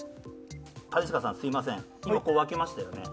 兼近さん、すいません、分けましたよね